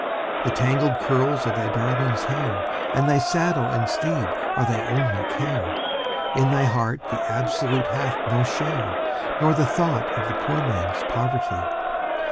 The tangled curls of thy darling's hair, and thy saddle and teed are thy only care; In thy heart the Absolute hath no share, nor the thought of the poor man's poverty.